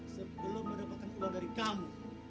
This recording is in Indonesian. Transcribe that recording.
sebelum mendapatkan uang dari kami